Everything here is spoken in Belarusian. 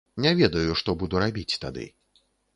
Не ведаю, што буду рабіць тады.